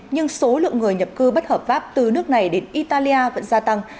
nhưng số lượng người nhập cư bất hợp pháp từ nước này đến italia vẫn gia tăng